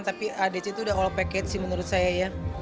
tapi adc itu udah all package sih menurut saya ya